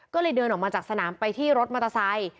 ก็เลยเดินออกมาจากสนามไปที่รถมอเตอร์ไซค์